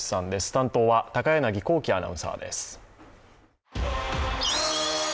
担当は高柳光希アナウンサーです。